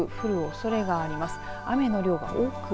激しく降るおそれがあります。